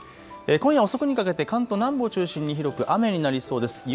今夜遅くにかけて関東南部を中心に広く雨になりそうです。